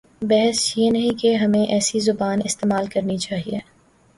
بحث یہ نہیں کہ ہمیں ایسی زبان استعمال کرنی چاہیے۔